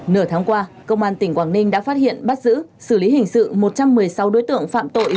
nửa tháng qua công an tỉnh quảng ninh đã phát hiện bắt giữ xử lý hình sự một trăm một mươi sáu đối tượng phạm tội